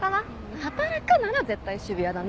働くなら絶対渋谷だね